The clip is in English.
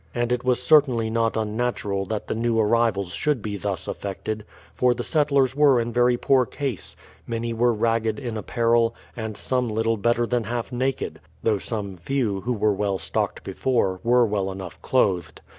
And it was certainly not un natural that the new arrivals should be thus affected; for the settlers were in very poor case, — many were ragged in apparel, and some little better than half naked; though some few, who were well stocked before, were well enough clothed.